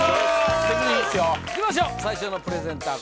別にいいっすよいきましょう最初のプレゼンター